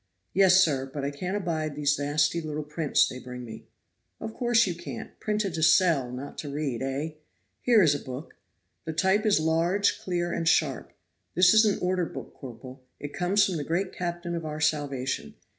"Yes, sir; but I can't abide them nasty little prints they bring me." "Of course you can't. Printed to sell, not to read, eh? Here is a book. The type is large, clear and sharp. This is an order book, corporal. It comes from the great Captain of our salvation.